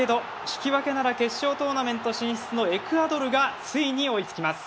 引き分けなら決勝トーナメント進出のエクアドルがついに追いつきます。